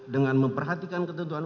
dengan memperhatikan ketentuan